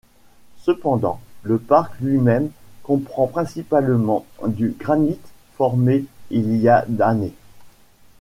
Cependant, le parc lui-même comprend principalement du granite formé il y a d’années.